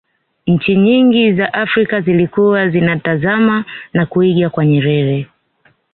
nchi nyingi za afrika zilikuwa zinatazama na kuiga kwa nyerere